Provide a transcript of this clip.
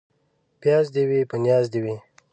پياز دي وي ، په نياز دي وي.